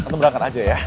tante berangkat aja ya